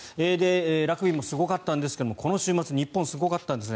ラグビーもすごかったんですがこの週末日本すごかったんです。